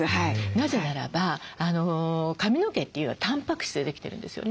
なぜならば髪の毛というのはたんぱく質でできてるんですよね。